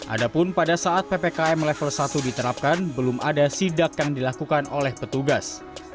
adapun pada saat ppkm level satu diterapkan belum ada sidak yang dilakukan oleh petugas